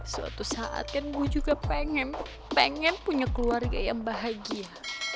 suatu saat kan gue juga pengen punya keluarga yang bahagia